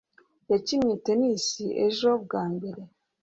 nakinnye tennis ejo bwa mbere